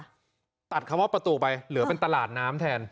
ตัดคำว่าประตูไปเหลือเป็นตลาดน้ำแทน